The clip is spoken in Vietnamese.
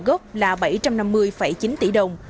gốc là bảy trăm năm mươi chín tỷ đồng